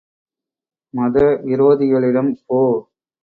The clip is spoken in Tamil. மத விரோதிகளிடம் போ!